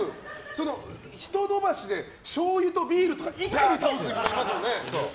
ひと伸ばしでしょうゆとビール一気に倒す人いますよね。